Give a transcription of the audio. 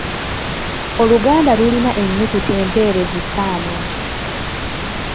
Oluganda lulina ennyukuta empeerezi ttaano.